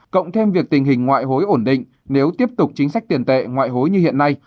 cộng thêm việc tình hình ngoại hối ổn định nếu tiếp tục chính sách tiền tệ ngoại hối như hiện nay